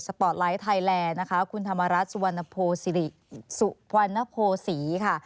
สปอร์ตไลท์ไทยแลนด์นะคะคุณธรรมรัฐสุวรรณโภษีค่ะ